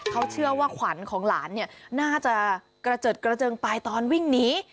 เขาเชื่อว่าขวัญของหลานเนี่ยน่าจะกระเจิดกระเจิงไปตอนวิ่งหนี